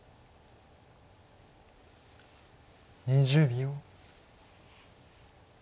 ２０秒。